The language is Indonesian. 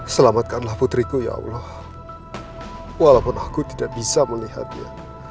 selamatkanlah putriku ya allah walaupun aku tidak bisa melihatnya